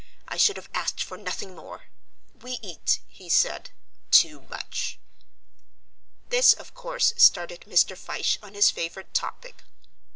I should have asked for nothing more. We eat," he said, "too much." This, of course, started Mr. Fyshe on his favourite topic.